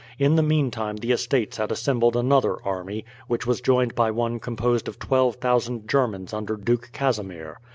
In the meantime the Estates had assembled another army, which was joined by one composed of 12,000 Germans under Duke Casimir.